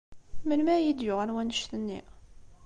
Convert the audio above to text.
Melmi ara yi-d-yuɣal wannect-nni?